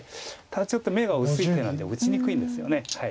ただちょっと眼が薄い手なんで打ちにくいんですよね。